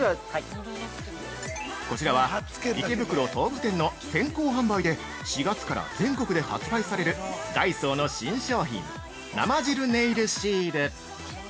◆こちらは池袋東武店の先行販売で４月から全国で発売されるダイソーの新商品生ジェルネイルシール。